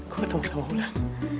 gue ketemu sama wulan